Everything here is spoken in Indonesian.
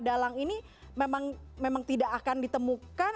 dalang ini memang tidak akan ditemukan